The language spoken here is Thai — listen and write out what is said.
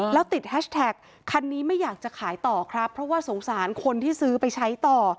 แล้วติดแฮชแท็กคันนี้ไม่อยากจะขายต่อครับเพราะว่าสงสารคนที่ซื้อไปใช้ต่อ